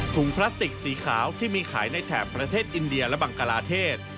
พลาสติกสีขาวที่มีขายในแถบประเทศอินเดียและบังกลาเทศ